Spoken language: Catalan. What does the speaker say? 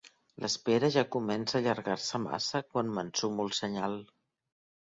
L'espera ja comença a allargar-se massa quan m'ensumo el senyal.